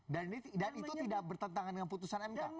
dan itu tidak bertentangan dengan putusan mk